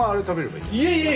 いやいや！